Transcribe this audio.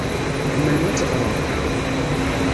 Tḥemmlem ad teɣrem?